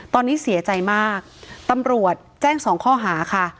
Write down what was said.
ตอนนี้เสียใจมากตำรวจแจ้งสองข้อหาค่ะ